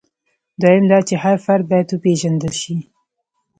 دویم دا چې هر فرد باید وپېژندل شي.